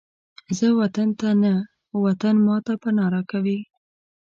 زه وطن ته نه، وطن ماته پناه راکوي